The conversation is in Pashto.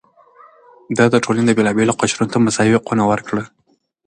ده د ټولنې بېلابېلو قشرونو ته مساوي حقونه ورکړل.